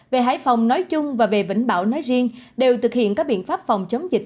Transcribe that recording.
về hải phòng nói chung và về vĩnh bảo nói riêng đều thực hiện các biện pháp phòng chống dịch